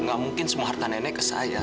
nggak mungkin semua harta nenek ke saya